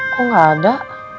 kok gak ada